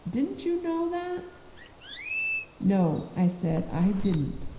"Didn't you know that?" "No," I said, "I didn't.